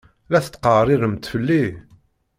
La tetkeɛriremt fell-i?